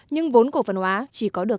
nhưng vốn cổ phân hóa chỉ có được năm